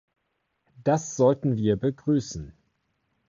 Das sollten wir begrüßen.